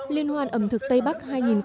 liên hoan ẩm thực tây bắc hai nghìn một mươi bảy